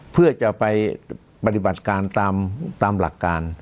เพื่อจะไปปฏิบัติการตามหลักการ